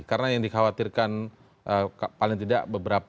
karena yang dikhawatirkan paling tidak beberapa